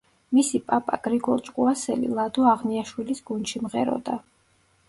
მისი პაპა გრიგოლ ჭკუასელი, ლადო აღნიაშვილის გუნდში მღეროდა.